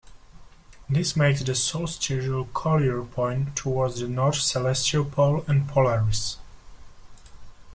This makes the solstitial colure point towards the North Celestial Pole and Polaris.